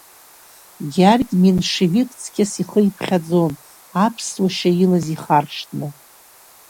Гьаргь меншевик цқьас ихы иԥхьаӡон, аԥсуа шьа илаз ихаршҭны.